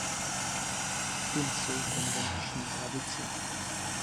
Ty nesou konvenční hlavici.